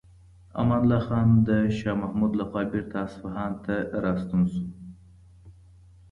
امان الله خان د شاه محمود لخوا بیرته اصفهان ته راستون شو.